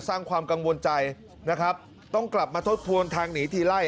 สร้างความกังวลใจนะครับต้องกลับมาทบทวนทางหนีทีไล่